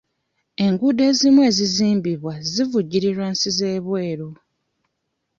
Enguudo ezimu ezizimbibwa zivujjirirwa nsi z'ebweru.